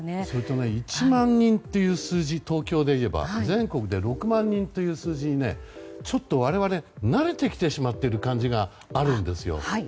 東京でいえば１万人という数字は全国で６万人という数字にちょっと我々慣れてきてしまっている感じがあるんです。